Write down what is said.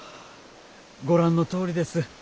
ご覧のとおりです。